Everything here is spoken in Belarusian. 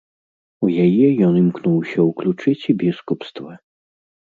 У яе ён імкнуўся ўключыць і біскупства.